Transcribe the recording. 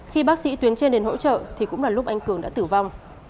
khi bác sĩ tuyến trên đến hỗ trợ thì cũng là lúc anh cường đã tử vong